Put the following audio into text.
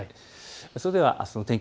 それではあすの天気